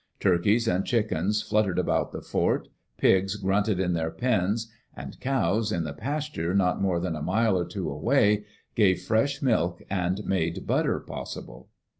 Turkeys and chickens fluttered about the fort, pigs grunted in their pens, and cows, in the pasture not more than a mile or two away, gave fresh milk and made butter possible.